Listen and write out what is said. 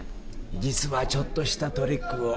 実はちょっとしたトリックを。